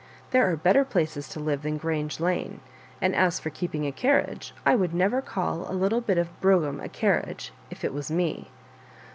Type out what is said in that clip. There are better places to live in than Grange Lane ; and as for keeping a carriage, I would never call a little bit of a brougham a carriage, if it was me.